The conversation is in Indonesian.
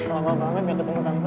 lama banget nih ketemu tante